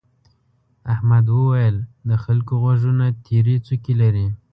احمد وويل: د خلکو غوږونه تيرې څوکې لري.